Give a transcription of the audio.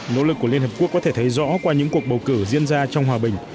nỗ lực của liên hợp quốc có thể thấy rõ qua những cuộc bầu cử diễn ra trong hòa bình